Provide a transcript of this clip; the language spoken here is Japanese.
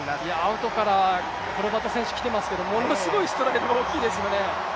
アウトからホルバト選手来ていますけれども本当にすごいストライド大きいですね。